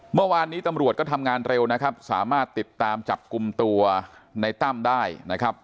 เมื่อวานนี้ตำรวจก็ทำงานเร็วนะครับสามารถติดตามจับกลุ่มตัวในตั้มได้นะครับ